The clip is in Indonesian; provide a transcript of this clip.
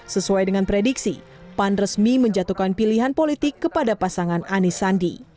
sesuai dengan prediksi pan resmi menjatuhkan pilihan politik kepada pasangan anies sandi